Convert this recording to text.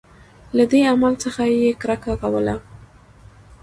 له دې عمل څخه یې کرکه کوله.